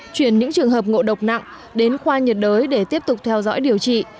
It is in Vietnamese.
chuyển những trường hợp ngộ độc nặng đến khoa nhiệt đới để tiếp tục theo dõi điều trị